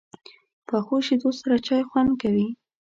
پخو شیدو سره چای خوند کوي